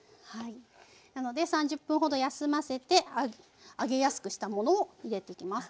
なので３０分ほど休ませて揚げやすくしたものを入れていきます。